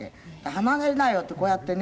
「“離れなよ”ってこうやってね